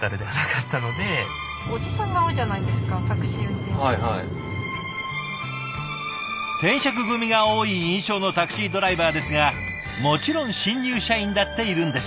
転職組が多い印象のタクシードライバーですがもちろん新入社員だっているんです！